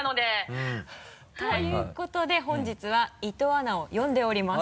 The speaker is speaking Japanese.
うん。ということで本日は伊藤アナを呼んでおります。